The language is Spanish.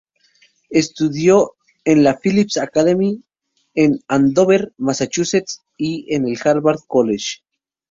Estudió en la Phillips Academy en Andover, Massachusetts, y en el Harvard College.